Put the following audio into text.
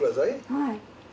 はい。